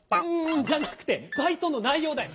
んじゃなくてバイトのないようだよ。